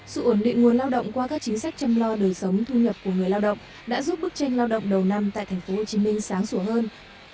sự ổn định nguồn lao động qua các chính sách chăm lo đời sống thu nhập của người lao động đã giúp bức tranh lao động đầu năm tại thành phố hồ chí minh sáng sủa hơn